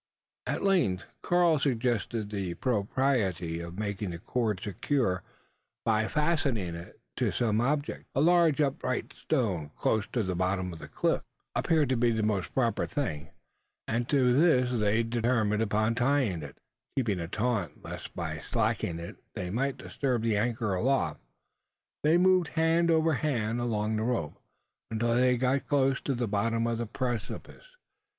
At length Karl suggested the propriety of making the cord secure, by fastening it to some object. A large upright stone, close by the bottom of the cliff, appeared to be the most proper thing; and to this they determined upon tying it. Still keeping it taut lest by slackening it they might disturb the anchor aloft they moved hand over hand along the rope, until they had got close to the bottom of the precipice.